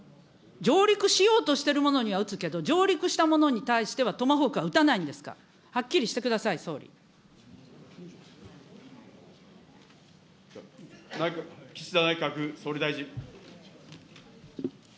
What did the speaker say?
上陸しようとしているものには撃つけど、上陸したものに対してはトマホークは撃たないんですか、はっきり岸田内閣総理大臣。